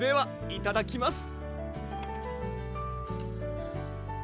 いただきます！